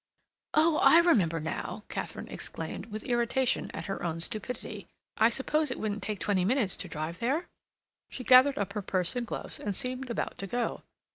"Oh, I remember now!" Katharine exclaimed, with irritation at her own stupidity. "I suppose it wouldn't take twenty minutes to drive there?" She gathered up her purse and gloves and seemed about to go.